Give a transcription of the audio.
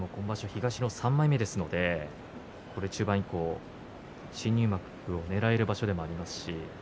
東の３枚目ですので中盤以降、新入幕をねらえる場所でもありますし。